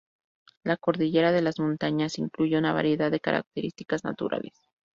La cordillera de las montañas incluye una variedad de características naturales.